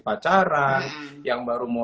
pacaran yang baru mau